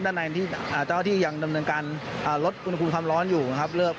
ด้านในที่เจ้าที่ยังดำเนินการลดอุณหภูมิความร้อนอยู่นะครับ